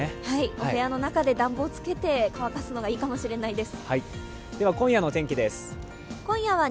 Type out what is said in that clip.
お部屋の中で暖房つけて乾かすのがいいかもしれないです。